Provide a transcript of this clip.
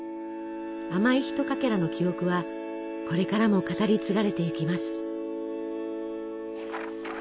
甘いひとかけらの記憶はこれからも語り継がれていきます。